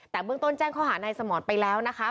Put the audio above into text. แต่เบื้องต้นแจ้งข้อหานายสมรไปแล้วนะคะ